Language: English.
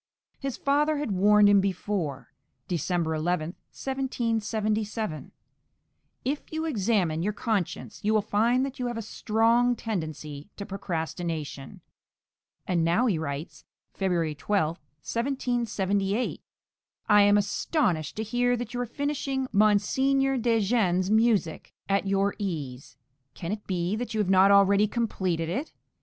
His father had warned him before (December 11, 1777): "If you examine your conscience you will find that you have a strong tendency to procrastination"; and now he writes (February 12, 1778): "I am astonished to hear that you are finishing Mons. de Jean's music at your ease. Can it be that you have not already completed it!